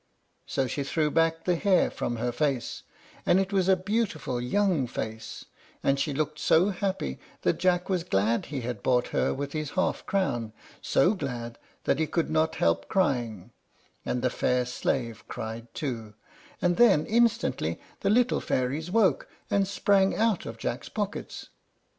So she threw back the hair from her face, and it was a beautiful young face; and she looked so happy that Jack was glad he had bought her with his half crown, so glad that he could not help crying, and the fair slave cried too; and then instantly the little fairies woke, and sprang out of Jack's pockets.